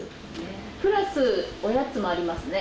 プラスおやつもありますね